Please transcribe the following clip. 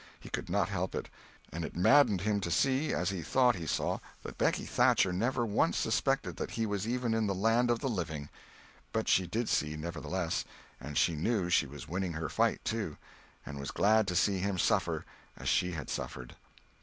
He could not help it. And it maddened him to see, as he thought he saw, that Becky Thatcher never once suspected that he was even in the land of the living. But she did see, nevertheless; and she knew she was winning her fight, too, and was glad to see him suffer as she had suffered.